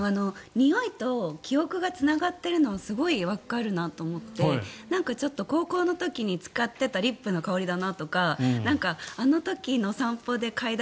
においと記憶がつながっているのはすごいわかるなと思ってちょっと高校の時に使っていたリップの香りだなとかあの時の散歩で嗅いだ